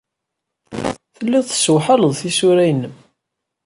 Telliḍ tessewḥaleḍ tisura-nnem.